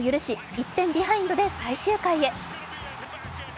１点ビハインドで最終回へ。